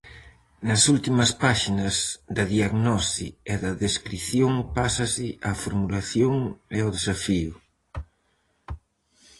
Nas últimas páxinas, da diagnose e da descrición pásase á formulación e ao desafío.